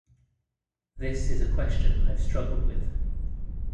This is a question I’ve struggled with